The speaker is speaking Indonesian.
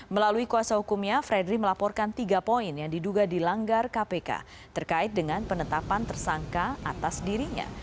melalui kuasa hukumnya fredri melaporkan tiga poin yang diduga dilanggar kpk terkait dengan penetapan tersangka atas dirinya